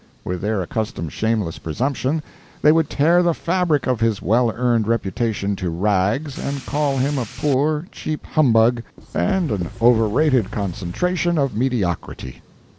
With their accustomed shameless presumption, they would tear the fabric of his well earned reputation to rags, and call him a poor, cheap humbug and an overrated concentration of mediocrity...